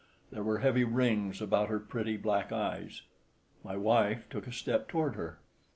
There were heavy rings about her pretty black eyes. My wife took a step toward her.